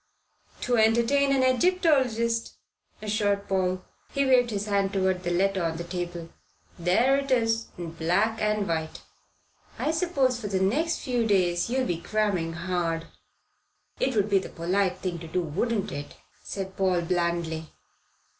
"To entertain an Egyptologist," assured Paul. He waved his hand toward the letter on the table. "There it is in black and white." "I suppose for the next few days you'll be cramming hard." "It would be the polite thing to do, wouldn't it?" said Paul blandly.